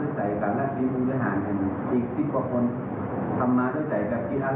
ลบลบลบเก็บปันละออน